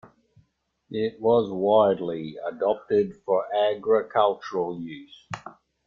It was widely adopted for agricultural use.